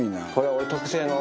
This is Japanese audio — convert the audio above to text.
俺特製の。